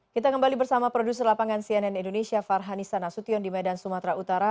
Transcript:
kita kembali bersama produser lapangan cnn indonesia farhanisa nasution di medan sumatera utara